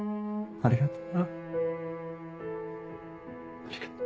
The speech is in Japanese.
ありがとう。